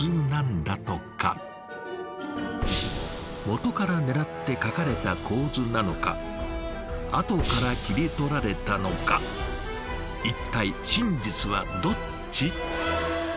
元からねらって描かれた構図なのか後から切り取られたのか一体真実はどっち？